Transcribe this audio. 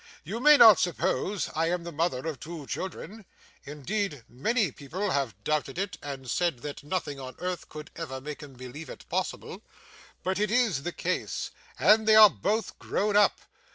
You may not suppose I am the mother of two children indeed many people have doubted it, and said that nothing on earth could ever make 'em believe it possible but it is the case, and they are both grown up.